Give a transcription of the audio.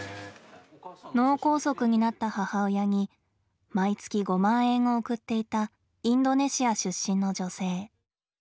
脳梗塞になった母親に毎月５万円を送っていたインドネシア出身の女性。